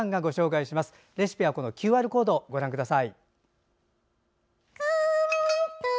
詳しくはＱＲコードをご覧ください。